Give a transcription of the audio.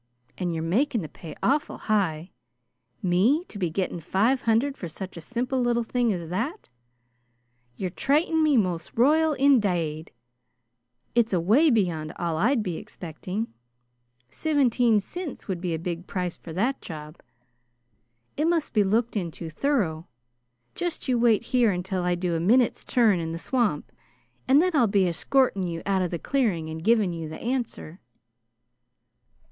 And you're making the pay awful high. Me to be getting five hundred for such a simple little thing as that. You're trating me most royal indade! It's away beyond all I'd be expecting. Sivinteen cints would be a big price for that job. It must be looked into thorough. Just you wait here until I do a minute's turn in the swamp, and then I'll be eschorting you out of the clearing and giving you the answer."